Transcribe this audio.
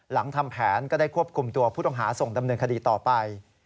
หลังทำแผนก็ได้ควบคุมตัวผู้ต้องหาส่งดำเนินคดีต่อไป